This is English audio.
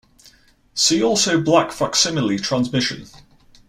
See also Black facsimile transmission.